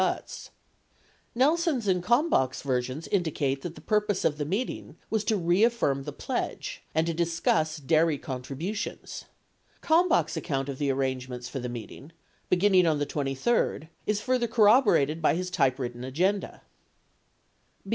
ButzN Nelson's and Kalmbach's versions indicate that the purpose of the meeting was to reaffirm the pledge and to dis cuss dairy contributions. Kalmbach's account of the arrangements for the meeting — beginning on the 23d — is further corroborated by his typewritten agenda.